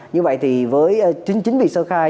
như vậy thì chính vì sơ khai